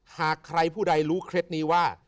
หากใครผู้ใดรู้เคล็ดนี้ว่า